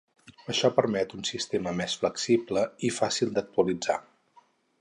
Això permet un sistema més flexible i fàcil d'actualitzar.